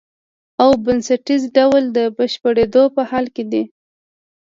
او بنسټیز ډول د بشپړېدو په حال کې دی.